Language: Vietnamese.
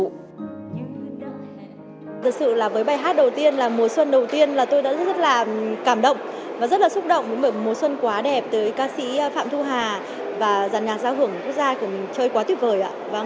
thật sự là với bài hát đầu tiên là mùa xuân đầu tiên là tôi đã rất là cảm động và rất là xúc động mùa xuân quá đẹp tới ca sĩ phạm thu hà và giàn nhạc giao hưởng quốc gia của mình chơi quá tuyệt vời ạ